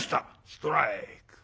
ストライク。